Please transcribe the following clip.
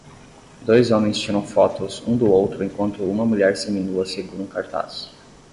Dois homens tiram fotos um do outro enquanto uma mulher seminua segura um cartaz